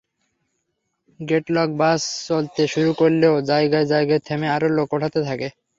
Gate lock bus চলতে শুরু করলেও জায়গায় জায়গায় থেমে আরও লোক ওঠাতে থাকে।